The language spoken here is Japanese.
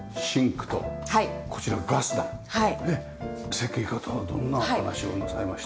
設計家とはどんなお話をなさいました？